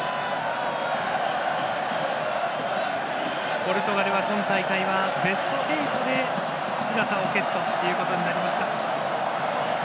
ポルトガルは今大会はベスト８で姿を消すということになりました。